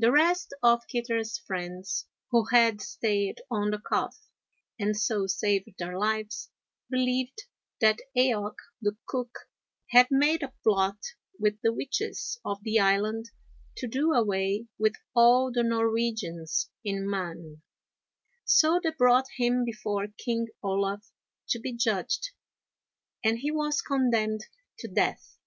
The rest of Kitter's friends, who had stayed on the Calf and so saved their lives, believed that Eaoch, the cook, had made a plot with the witches of the island to do away with all the Norwegians in Mann, so they brought him before King Olaf to be judged, and he was condemned to death.